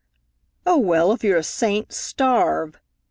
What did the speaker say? "Oh, well, if you're a saint, starve!"